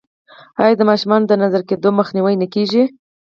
آیا د ماشومانو د نظر کیدو مخنیوی نه کیږي؟